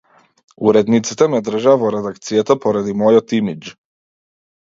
Уредниците ме држеа во редакцијата поради мојот имиџ.